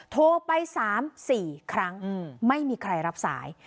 โทรไป๓๔ครั้งไม่มีใครรับสาย